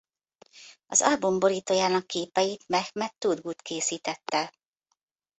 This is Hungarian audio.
Az album borítójának képeit Mehmet Turgut készítette.